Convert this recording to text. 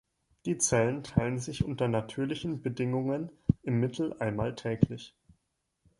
Die Zellen teilen sich unter natürlichen Bedingungen im Mittel einmal täglich.